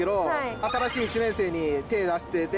新しい１年生に手出してて。